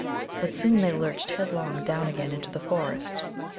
But soon they lurched headlong down again into the forest.